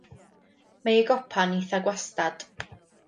Mae ei gopa'n eitha gwastad.